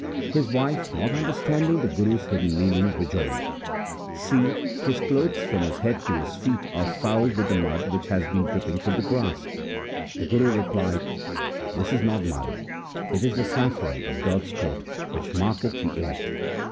His wife, not understanding the Guru's hidden meaning, rejoined, ' See, his clothes from his head to his feet are fouled with the mud which has been dripping from the grass.' The Guru replied, ' This is not mud ; it is the saffron of God's court, which marketh the elect.